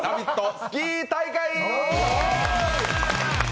スキー大会。